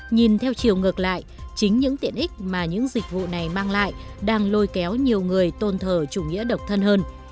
nhìn theo chiều ngược lại chính những tiện ích mà những dịch vụ này mang lại đang lôi kéo nhiều người tôn thờ chủ nghĩa độc thân hơn